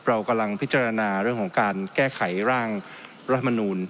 เรากำลังพิจารณาเรื่องของการแก้ไขร่างรัฐมนูล